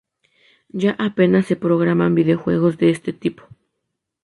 Ya apenas se programan videojuegos de este tipo.